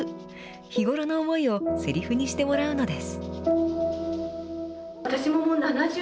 日頃の思いをせりふにしてもらうのです。